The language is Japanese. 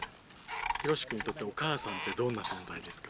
ヒロシ君にとってお母さんってどんな存在ですか？